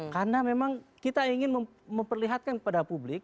karena memang kita ingin memperlihatkan kepada publik